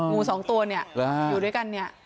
งูสองตัวอยู่ด้วยกัน